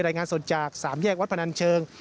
รายงานสดจาก๓แยกวัดพนันเชิง